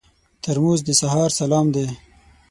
ترموز د سهار سلام دی.